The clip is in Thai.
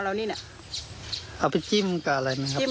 เอาไปจิ้มกับอะไรมั้ยครับ